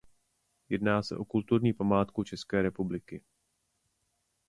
Jedná se o kulturní památku České republiky.